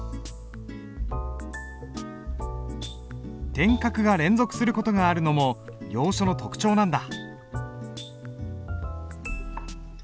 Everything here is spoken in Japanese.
点画が連続する事があるのも行書の特徴なんだ。